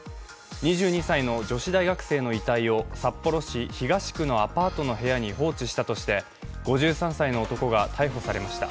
２２歳の女子大学生の遺体を札幌市東区のアパートの部屋に放置したとして、５３歳の男が逮捕されました。